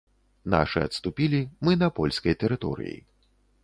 Нашы адступілі, мы на польскай тэрыторыі.